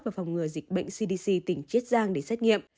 và phòng ngừa dịch bệnh cdc tỉnh chiết giang để xét nghiệm